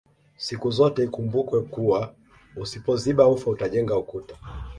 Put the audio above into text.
Sikuzote ikumbukwe kuwa usipoziba ufa utajenga ukuta